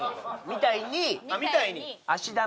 みたいに。